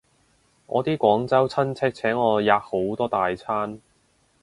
我啲廣州親戚請我吔好多大餐